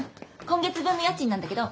今月分の家賃なんだけど。